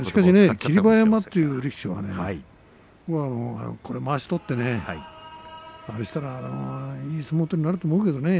霧馬山という力士はまわしを取ってあれしたらいい相撲取りになると思うんだけれどもね。